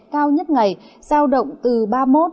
cao nhất ngày giao động từ ba mươi một ba mươi bốn độ